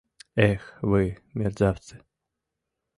Эх, вы, мерзавцы!